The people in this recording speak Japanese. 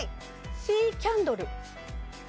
シーキャンドル。